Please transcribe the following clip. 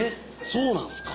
そうなんですか？